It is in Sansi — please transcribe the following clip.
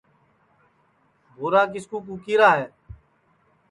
بُھورا کِس کُو کُکی را ہے